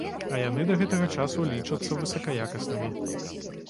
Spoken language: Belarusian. А яны да гэтага часу лічацца высакаякаснымі.